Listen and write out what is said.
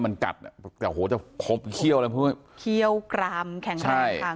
มันกัดอ่ะแต่โหจะครบเขี้ยวเลยเคี่ยวกรามแข็งแรงค่ะ